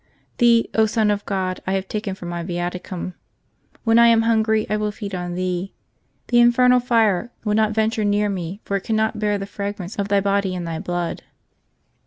Thee, Son of God, I have taken for my Yiaticum. When I am hungry, I will feed on Thee. The infernal fire will not venture near me, for it cannot bear the fragrance of Thy Body and Thy Blood."